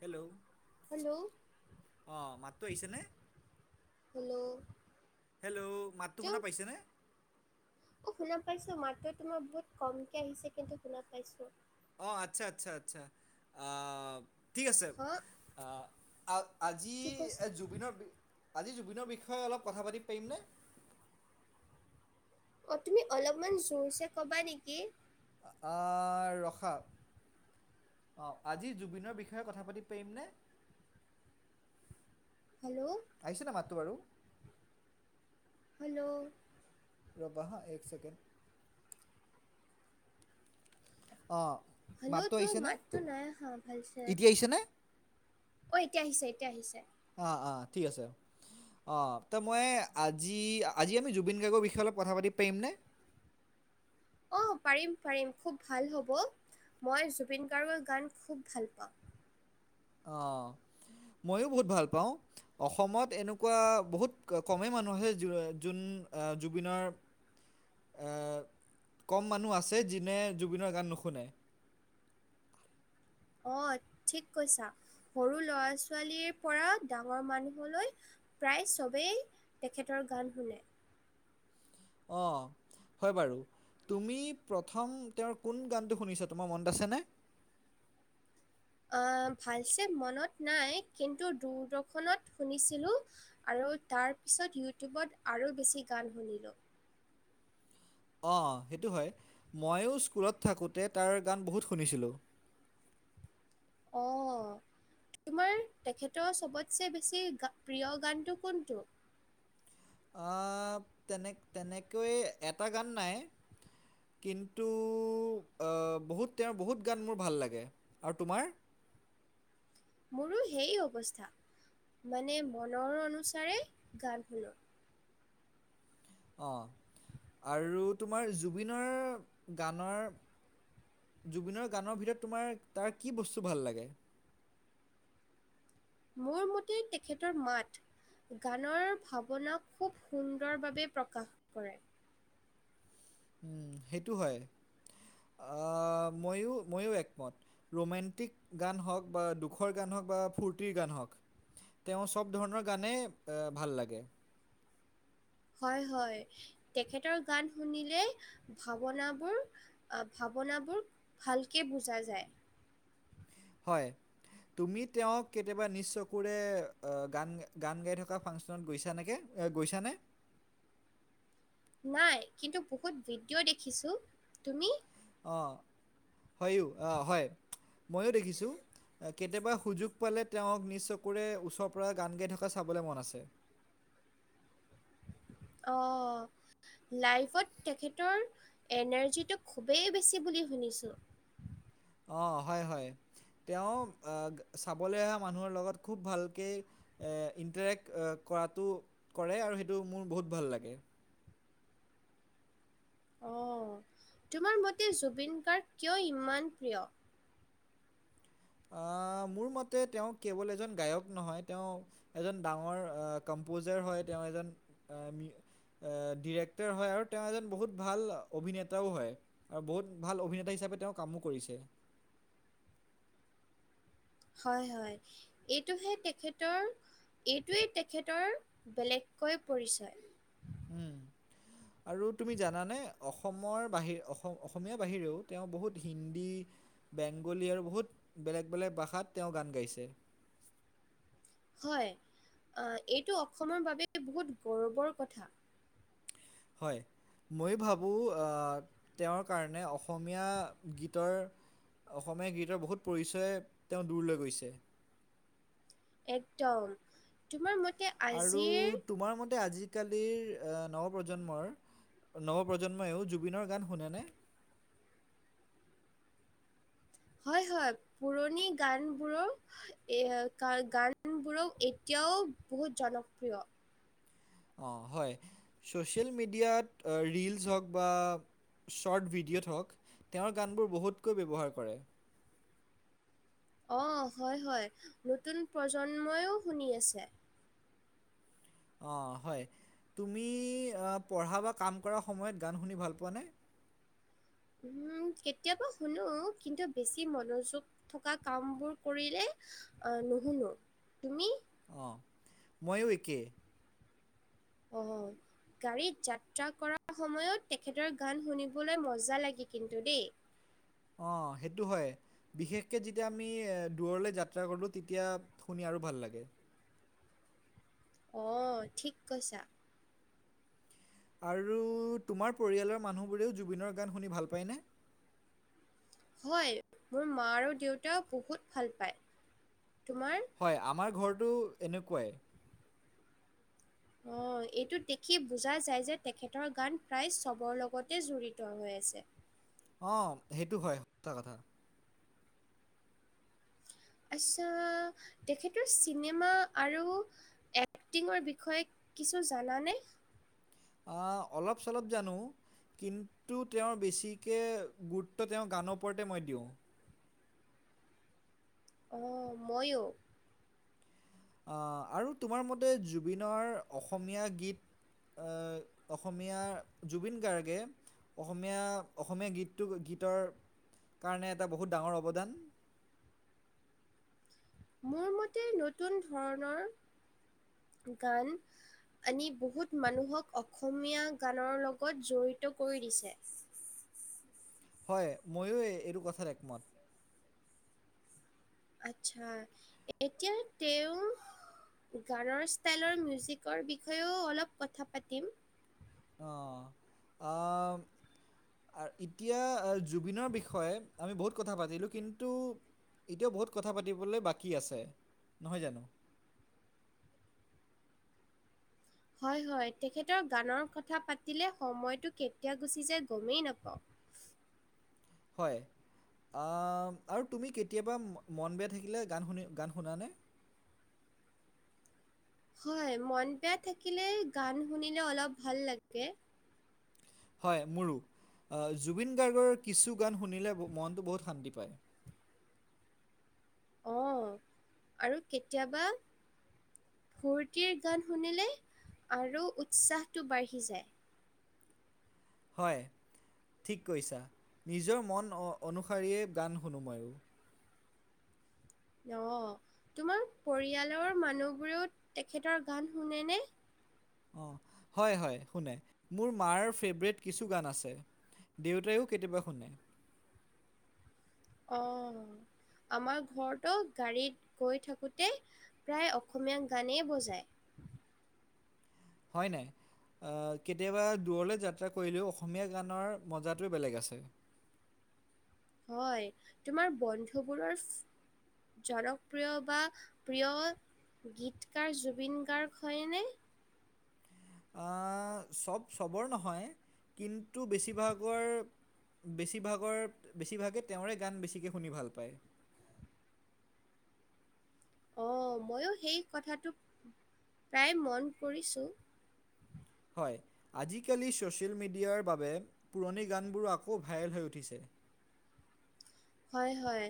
Hello hello অ মাতটো আহিছেনে। হেল্ল' হেল্ল' মাতটো শুনা তেওঁ পাইছেনে। অ শুনা পাইছো মাতটো তোমাৰ বহুত কমকে আহিছে কিন্তু শুনা পাইছো। অঁ আচ্ছা আচ্ছা আচ্ছা আ ঠিক আছে, হা আ আজি কি কৈছে এ জুবিনৰ আজি জুবিনৰ বিষয়ে অলপ কথা পাতিব পাইমনে? অ' তুমি অলপমান জোৰচে কবা নেকি? আ আ ৰখা। অঁ, আজি জুবিনৰ বিষয়ে কথা পাতিব পাইমনে? হেল্লও আহিছে নাই মাতটো বাৰু? হেল্লো ৰ'বা হা এক চেকেণ্ড। অঁ। হেলও, মাতটো তোৰ মাতটো নাই আহা ভালচে। ছেনে? অ' এতিয়া আহিছে এতিয়া আহিছে। আ আ ঠিক আছে। অঁ ত মই এ আজি, আজি আমি জুবিন গাৰ্গৰ বিষয়ে অলপ কথা পাতিব পাইমনে? অঁ পাৰিম পাৰিম। খুব ভাল হ'ব, মই জুবিন গাৰ্গৰ গান খুউব ভাল পাওঁ। অঁ, ময়ো বহুত ভাল পাওঁ। অসমত এনেকুৱা বহুত ককমে মানুহ আছে যো যোৱে যোন জুবিনৰ এ কম মানুহ আছে, যোনে জুবিনৰ গান নুশুনে। অঁহ ঠিক কৈছা। সৰু লৰা ছোৱালীৰ পৰা ডাঙৰ মানুহলৈ প্ৰায় চবেই তেখেতৰ গান শুনে। অঁ। হয় বাৰু, তুমি প্ৰথম তেওঁৰ কোন গানটো শুনিছা তোমাৰ মনত আছেনে? অঁ, ভালছে মনত নাই কিন্তু দূৰদৰ্শনত শুনিছিলোঁ আৰু তাৰপিছত ইউটিউবত আৰু বেছি গান শুনিলোঁ। অঁ সেইটো হয়। ময়ো স্কুলত থাকোঁতে তাৰ গান বহুত শুনিছিলোঁ। অ' তোমাৰ তেখেতৰ চবতছে বেছি গা প্ৰিয় গানটো কোনটো? অঁ, তেনে তেনেকৈয়ে এটা গান নাই। কিন্তু অঁ, বহুত তেওঁৰ বহুত গান মোৰ ভাল লাগে আৰু তোমাৰ? মোৰো সেই অৱস্থা। মানে মনৰ অনুসাৰে গান শুনো। অঁ। আৰু তোমাৰ জুবিনৰ গানৰ জুবিনৰ গানৰ ভিতৰত তোমাৰ তাৰ কি বস্তু ভাল লাগে? মোৰ মতে তেখেতৰ মাত। গানৰ ভাৱনা খুব সুন্দৰভাৱে প্ৰকাশ কৰে। উম সেইটো হয়। আঁহ ময়ো ময়ো একমত। ৰোমেণ্টিক গান হওঁক বা দুখৰ গান হওঁক বা ফূৰ্তিৰ গান হওঁক। তেওঁৰ চব ধৰণৰ গানেই ৱে ভাল লাগে। হয়, হয়। তেখেতৰ গান শুনিলেই ভাৱনাবোৰ অভাৱনাবোৰ ভালকে বুজা যায় হয়। তুমি তেওঁক কেতিয়াবা নিজ চকুৰে অ' গান গান গাই থকা ফাংচনত গৈছা নেকে? এ গৈছানে? নাই কিন্তু বহুত ভিডিঅ' দেখিছো, তুমি? অঁ হয়ো অ' হয়, ময়ো দেখিছোঁ। অ কেতিয়াবা সুযোগ পালে তেওঁক নিজ চকুৰে ওচৰৰ পৰা গান গাই থকা চাবলৈ মন আছে। অ। লাইফত তেখেতৰ এনাৰ্জিটো খুবেই বেছি বুলি শুনিছোঁ। অ হয় হয়, তেওঁ আ চাবলৈ অহা মানুহৰ লগত খুব ভালকে এ ইণ্টাৰেক্ট এ কৰাটো কৰে আৰু সেইটো মোৰ বহুত ভাল লাগে। অঁ, তোমাৰ মতে জুবিন গাৰ্গ কিয় ইমান প্ৰিয়? আ, মোৰ মতে তেওঁ কেৱল এজন গায়ক নহয়, তেওঁ এজন ডাঙৰ আহ কম্পজাৰ হয় তেওঁ এজন আ ডিৰেক্টৰ হয় আৰু তেওঁ এজন বহুত ভাল অভিনেতাও হয়। আৰু বহুত ভাল অভিনেতা হিচাপে তেওঁ কামো কৰিছে। হয় হয়। এইটোহে তেখেতৰ, এইটোৱেই তেখেতৰ বেলেগকৈ পৰিচয়। উম। আৰু তুমি জানানে অসমৰ বাহিৰে অসম অসমীয়া বাহিৰেও তেওঁ বহুত হিন্দী বেংগলী আৰু বহুত বেলেগ বেলেগ ভাষাত তেওঁ গান গাইছে। হয়, আ এইটো অসমৰ বাবে বহুত গৌৰৱৰ কথা। হয়, মই ভাবোঁ আ তেওঁৰ কাৰণে অসমীয়া গীতৰ অসমীয়া গীতৰ বহুত পৰিচয় তেওঁ দূৰ লৈ গৈছে। একদম তোমাৰ মতে আৰু আজিৰ তোমাৰ মতে আজি কালিৰ আ নৱ প্ৰজন্মৰ নৱপ্ৰজন্ময়ও জুবিনৰ গান শুনেনে? হয় হয়, পুৰণি গানবোৰৰ এ গা গানবোৰক এতিয়াও বহুত জনপ্ৰিয়। অঁ হয়, ছ'চিয়েল মিডিয়াত আ ৰিলচ হওক বা শ্বৰ্ট ভিডিঅ'ত হওক তেওঁৰ গানবোৰ বহুতকৈ ব্যৱহাৰ কৰে। অ হয় হয়, নতুন প্ৰজন্মইও শুনি আছে। অঁ হয়, তুমি পঢ়া বা কাম কৰাৰ সময়ত গান শুনি ভাল পোৱা নে? উম কেতিয়াবা শুনো কিন্তু বেছি মনোযোগ থকা কামবোৰ কৰিলে আহ নুশুনো, তুমি? অ, মইয়ো একে। অ [inaudible] গাড়ীত যাত্ৰা কৰাৰ সময়ত তেখেতৰ গান শুনিবলৈ মজা লাগে কিন্তু দেই। অ সেইটো হয়। বিশেষকে যেতিয়া আমি দূৰলৈ যাত্ৰা কৰো তেতিয়া শুনি আৰু ভাল লাগে। অ ঠিক কৈছা। আৰু তোমাৰ পৰিয়ালৰ মানুহবোৰেও জুবিনৰ গান শুনি ভাল পায়নে? হয়, মোৰ মা আৰু দেউতা বহুত ভাল পায়, তোমাৰ? হয়, আমাৰ ঘৰটো এনেকুৱাই। অ, এইটো দেখি বুজা যায় যে তেখেতৰ গান প্ৰায় চবৰ লগতে জড়িত হৈ আছে। অ, সেইটো হয় সচা কথা। আচছা, তেখেতৰ চিনেমা আৰু এক্টিঙৰ বিষয়ে কিছু জানানে? আ অলপ - চলপ জানো। কিন্তু তেওঁৰ বেছিকে গুৰুত্ব তেওঁৰ গানৰ ওপৰতে মই দিওঁ। অ' ময়ো। আৰু তোমাৰ মতে জুবিনৰ অসমীয়া গীত আ, অসমীয়া জুবিন গাৰ্গে অসমীয়া অসমীয়া গীতটো গীতৰ কাৰণে এটা বহুত ডাঙৰ অৱদান। মোৰ মতে নতুন ধৰণৰ গান আনি বহুত মানুহক অসমীয়া গানৰ লগত জড়িত কৰি দিছে। হয়, ময়ো এ-এইটো কথাত একমত। আচ্ছা, এতিয়া তেওঁ গানৰ ষ্টাইলৰ মিউজিকৰ বিষয়েও অলপ কথা পাতিম। অ' আ আ, এতিয়া জুবিনৰ বিষয়ে আমি বহুত কথা পাতিলোঁ কিন্তু এতিয়াও বহুত কথা পাতিবলৈ বাকী আছে নহয় জানো? হয় হয়, তেখেতৰ গানৰ কথা পাতিলে সময়টো কেতিয়া গুচি যায় গমেই নাপাওঁ। হয় আ, আৰু তুমি কেতিয়াবা মন বেয়া থাকিলে গান শুনি গান শুনানে? হয় মন বেয়া থাকিলে গান শুনিলে অলপ ভাল লাগে। হয় মোৰো। আ, জুবিন গাৰ্গৰ কিছু গান শুনিলে মনটো বহুত শান্তি পায়। অ' আৰু কেতিয়াবা ফূৰ্তিৰ গান শুনিলে আৰু উৎসাহটো বাঢ়ি যায়। হয়, ঠিক কৈছা। নিজৰ মন অনুসৰিয়ে গান শুনো মই। অ'। তোমাৰ পৰিয়ালৰ মানুহবোৰেও তেখেতৰ গান শুনেনে? হয় হয় শুনে। মোৰ মাৰ ফেভৰেট কিছু গান আছে। দেউতায়ো কেতিয়াবা শুনে। অ' আমাৰ ঘৰতো গাড়ীত গৈ থাকোতে প্ৰায় অসমীয়া গানেই বজায়। হয় নাই? আ, কেতিয়াবা দূৰলৈ যাত্ৰা কৰিলেও অসমীয়া গানৰ মজাটোয়ে বেলেগ আছে। হয়, তোমাৰ বন্ধুবোৰৰ জনপ্ৰিয় বা প্ৰিয় গীতকাৰ জুবিন গাৰ্গ হয়নে? আ, চব চবৰ নহয় কিন্তু বেছিভাগৰ বেছিভাগৰ বেছিভাগে তেওঁৰে গান বেছিকে শুনি ভাল পায়। অ' ময়ো সেই কথাটো প্ৰায় মন কৰিছোঁ। হয়, আজিকালি ছ'চিয়েল মিডিয়াৰ বাবে পুৰণি গানবোৰো আকৌ ভাইৰেল হৈ উঠিছে। হয় হয়।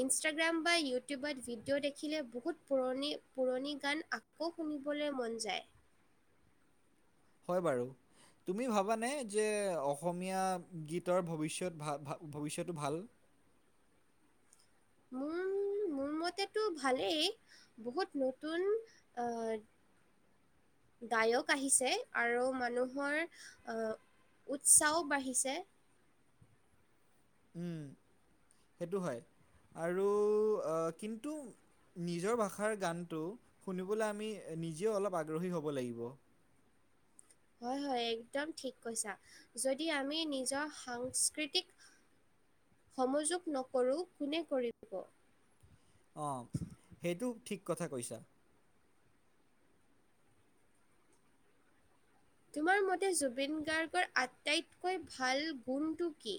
ইনষ্টাগ্ৰাম বা ইউটিউবত ভিডিঅ' দেখিলে বহুত পুৰণি পুৰণি গান আ কৌ শুনিবলৈ মন যায়। হয় বাৰু। তুমি ভাবানে যে অসমীয়া গীতৰ ভৱিষ্যত ভা-ভা ভৱিষ্যতটো ভাল মোৰ [inaudible] মোৰ মতেতো ভালেই, বহুত নতুন আ গায়ক আহিছে আৰু মানুহৰ আ উৎসাও বাঢ়িছে। উম, সেইটো হয় আৰু কিন্তু নিজৰ ভাষাৰ গানটো শুনিবলৈ আমি নিজেও অলপ আগ্ৰহী হ'ব লাগিব। হয় হয় একদম ঠিক কৈছা। যদি আমি নিজৰ সাংস্কৃতিক সমযোগ নকৰোঁ, কোনে কৰিব। অঁ সেইটো ঠিক কথা কৈছা। তোমাৰ মতে জুবিন গাৰ্গৰ আটাইতকৈ ভাল গুণটো কি?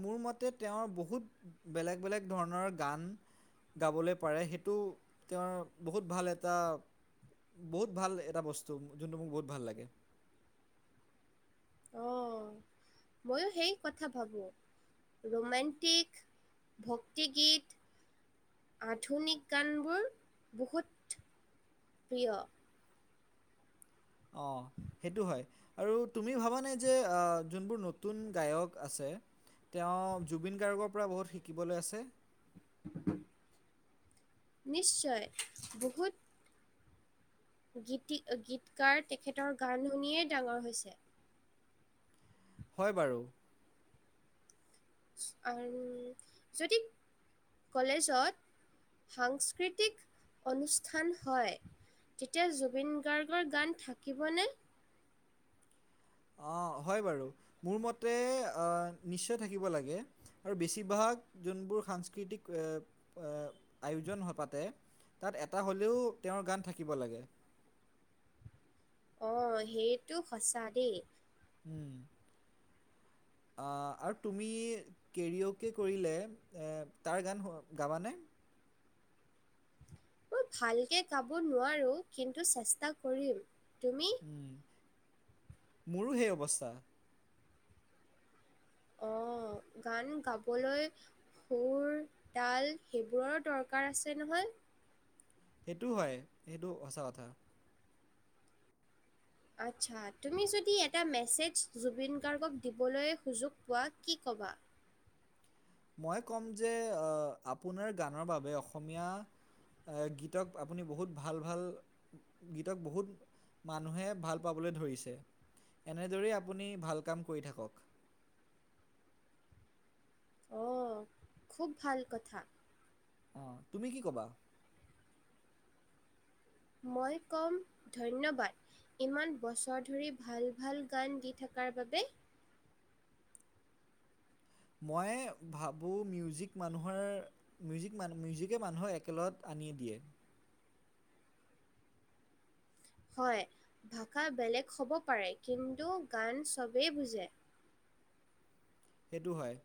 মোৰ মতে তেওঁৰ বহুত বেলেগ বেলেগ ধৰণৰ গান- গাবলৈ পাৰে সেইটো তেওঁৰ বহুত ভাল এটা- বহুত ভাল এটা বস্তু, যোনটো মোক বহুত ভাল লাগে। [unintelligible] মইয়ো সেই কথা ভাবোঁ। ৰোমেণ্টিক- ভক্তি গীত- আধুনিক গানবোৰ বহুত প্ৰিয়। অঁ সেইটো হয়। আৰু তুমি ভাবানে যে যোনবোৰ নতুন গায়ক আছে- তেওঁ জুবিন গাৰ্গৰ পৰা বহুত শিকিবলৈ আছে। নিশ্চয় বহুত- গীতি গীতকাৰ তেখেতৰ গান শুনিয়েই ডাঙৰ হৈছে। হয় বাৰু। আৰু যদি কলেজত- সাংস্কৃতিক অনুষ্ঠান হয়, - তেতিয়া জুবিন গাৰ্গৰ গান থাকিবনে? অঁ হয় বাৰু, মোৰ মতে নিশ্চয় থাকিব লাগে। আৰু বেছিভাগ যোনবোৰ সাংস্কৃতিক এ এ আয়োজন পাতে- তাত এটা হ'লেও তেওঁৰ গান থাকিব লাগে। অঁ সেইটো সঁচা দেই। উম। আৰু তুমি কেৰিয়'কে কৰিলে তাৰ গান গাবানে? মই ভালকে কাব নোৱাৰো কিন্তু চেষ্টা কৰিম। তুমি? উম মোৰো সেই অৱস্থা। অঁ গান গাবলৈ- সুৰ, তাল সেইবোৰৰো দৰকাৰ আছে নহয়। সেইটোও হয়, সেইটো সঁচা কথা। আচ্ছা তুমি যদি এটা মেছেজ জুবিন গাৰ্গক দিবলৈ সুযোগ পোৱা কি ক'বা? মই ক'ম যে অঁ আপোনাৰ গানৰ বাবে অসমীয়া- গীতক আপুনি বহুত ভাল ভাল- গীতক বহুত মানুহে ভাল পাবলৈ ধৰিছে। এনেদৰেই আপুনি ভাল কাম কৰি থাকক। অঁ খুব ভাল কথা। অঁ তুমি কি কবা? মই ক'ম ধন্যবাদ। ইমান বছৰ ধৰি ভাল ভাল গান দি থকাৰ বাবে। মই ভাবোঁ মিউজিক মানুহৰ- মিউজিক মান মিউজিকে মানুহক একেলগত আনিয়ে দিয়ে। হয়, ভাষা বেলেগ হ'ব পাৰে কিন্তু গান চবেই বুজে। সেইটো হয়।